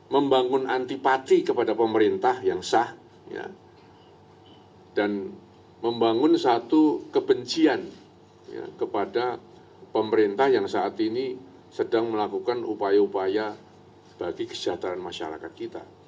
membangun antipati kepada pemerintah yang sah dan membangun satu kebencian kepada pemerintah yang saat ini sedang melakukan upaya upaya bagi kesejahteraan masyarakat kita